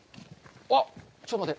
あっ、ちょっと待って。